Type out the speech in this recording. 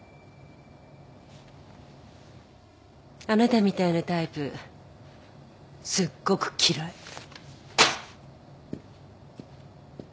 あなたみたいなタイプすっごく嫌い。